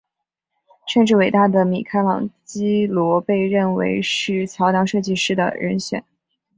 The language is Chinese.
甚至伟大的米开朗基罗被认为是桥梁设计师的人选。